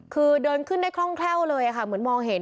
คือเดินขึ้นได้คล่องแคล่วเลยค่ะเหมือนมองเห็น